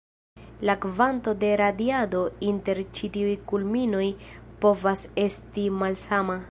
La kvanto de radiado inter ĉi tiuj kulminoj povas esti malsama.